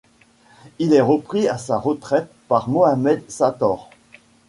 Il est repris à sa retraite par Mohamed Sator.